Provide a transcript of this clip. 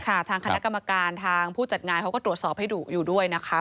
ทางคณะกรรมการทางผู้จัดงานเขาก็ตรวจสอบให้ดุอยู่ด้วยนะคะ